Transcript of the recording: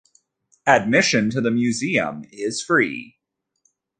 Admission to the museum is free.